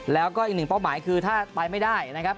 แล้วก็อีกหนึ่งเป้าหมายคือถ้าไปไม่ได้นะครับ